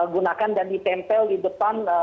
gunakan dan ditempel di depan